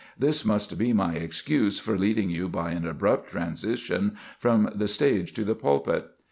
This must be my excuse for leading you by an abrupt transition from the stage to the pulpit.